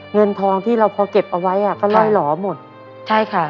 เงินทองที่เราพอเก็บเอาไว้อ่ะก็ล่อยหล่อหมดใช่ค่ะ